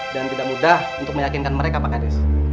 dan tidak mudah untuk meyakinkan mereka pak hades